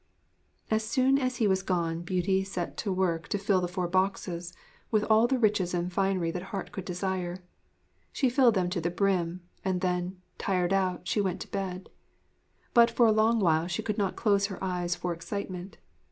As soon as he was gone Beauty set to work to fill the four boxes with all the riches and finery that heart could desire. She filled them to the brim; and then, tired out, she went to bed. But for a long while she could not close her eyes for excitement.